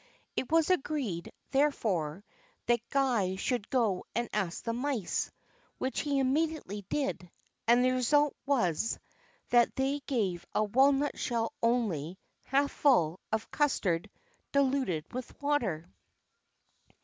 It was agreed, therefore, that Guy should go and ask the mice, which he immediately did; and the result was, that they gave a walnut shell only half full of custard diluted with water.